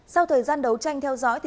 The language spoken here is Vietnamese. sau thời gian đấu tranh theo dõi